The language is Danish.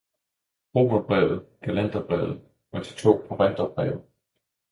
Romerbrevet, Galaterbrevet og de to korinterbreve